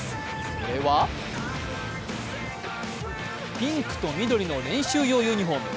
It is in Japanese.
それはピンクと緑の練習用ユニフォーム。